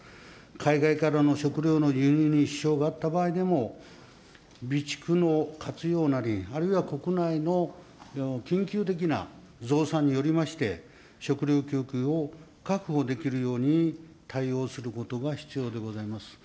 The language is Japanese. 海外からの食料の輸入に支障があった場合でも、備蓄の活用なり、あるいは国内の緊急的な増産によりまして、食料供給を確保できるように対応することが必要でございます。